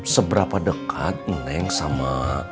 seberapa dekat neng sama